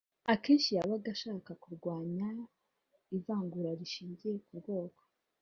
Akenshi yabaga ashaka kurwanya ivangura rishingiye ku bwoko